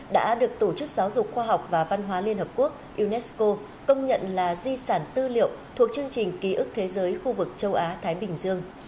đã được tổ chức giáo dục khoa học và văn hóa liên hợp quốc unesco công nhận là di sản tư liệu thuộc chương trình ký ức thế giới khu vực châu á thái bình dương